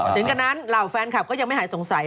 ถึงกันนั้นเหล่าแฟนคลับก็ยังไม่หายสงสัย